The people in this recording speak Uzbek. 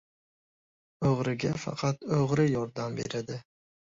• O‘g‘riga faqat o‘g‘ri yordam beradi.